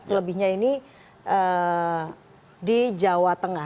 selebihnya ini di jawa tengah